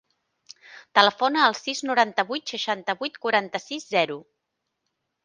Telefona al sis, noranta-vuit, seixanta-vuit, quaranta-sis, zero.